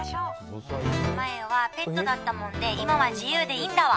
前はペットだったもんで今は自由でいいんだわ。